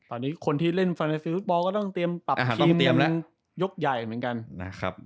ตอนนี้คนที่เล่นฟาไนซีฟุตบอลก็ต้องเตรียมปรับทีมยกใหญ่เหมือนกัน